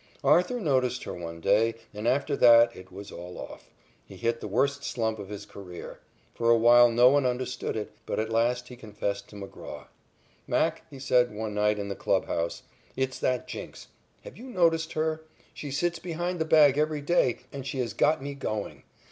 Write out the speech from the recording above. Arthur noticed her one day and, after that, it was all off. He hit the worst slump of his career. For a while no one could understand it, but at last he confessed to McGraw. "Mac," he said one night in the club house, "it's that jinx. Have you noticed her? She sits behind the bag every day, and she has got me going.